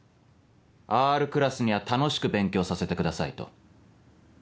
Ｒクラスには楽しく勉強させてくださいと。